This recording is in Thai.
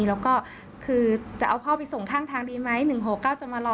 แล้วก็คือจะเอาพ่อไปส่งข้างทางดีไหม๑๖๙จะมารอ